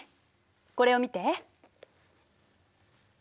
これを見て。